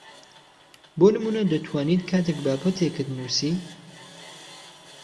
بۆ نموونە دەتوانیت کاتێک بابەتێکت نووسی